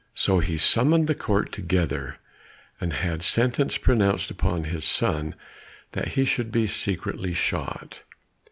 So he summoned the court together and had sentence pronounced upon his son, that he should be secretly shot.